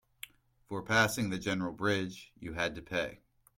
For passing the general bridge, you had to pay.